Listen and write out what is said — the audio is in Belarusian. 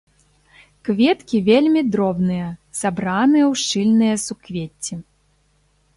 Кветкі вельмі дробныя, сабраныя ў шчыльныя суквецці.